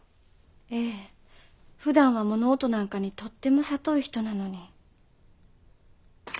ええ。ふだんは物音なんかにとっても敏い人なのに。